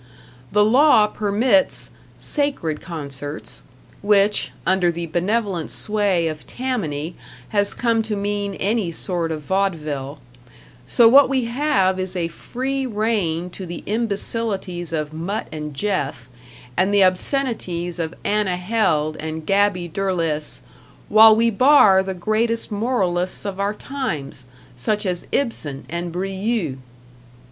The law permits "sacred concerts" which, under the benevolent sway of Tammany, has come to mean any sort of vaudeville; so what we have is a free rein to the imbecilities of "Mutt & Jeff" and the obscenities of Anna Held and Gaby Deslys while we bar the greatest moralists of our times, such as Ibsen and Brieux.